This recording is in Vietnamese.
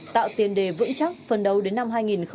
tạo tiền đề vững chắc phần đầu đến năm hai nghìn hai mươi